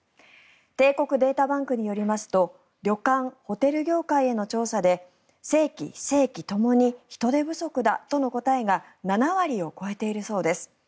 帝国データバンクによりますと旅館・ホテル業界への調査で正規・非正規ともに人手不足だとの答えが７割を超えているそうです。